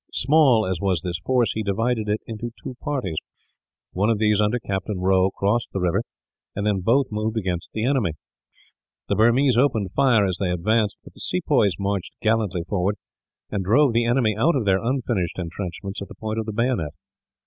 Small as was this force, he divided it into two parties. One of these, under Captain Rowe, crossed the river; and then both moved against the enemy. The Burmese opened fire as they advanced, but the sepoys marched gallantly forward, and drove the enemy out of their unfinished intrenchments at the point of the bayonet.